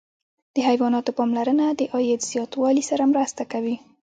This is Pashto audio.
د حیواناتو پاملرنه د عاید زیاتوالي سره مرسته کوي.